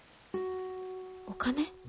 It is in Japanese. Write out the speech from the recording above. お金？